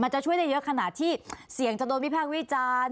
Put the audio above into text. จะช่วยได้เยอะขนาดที่เสี่ยงจะโดนวิพากษ์วิจารณ์